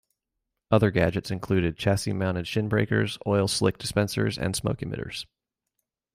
Other gadgets included chassis-mounted shinbreakers, oil slick dispensers and smoke emitters.